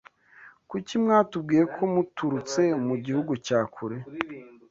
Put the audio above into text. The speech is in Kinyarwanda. kuki mwatubwiye ko muturutse mu gihugu cya kure